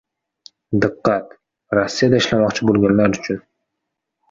Diqqat! Rossiyada ishlamoqchi bo‘lganlar uchun...